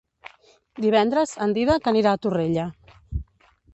Divendres en Dídac anirà a Torrella.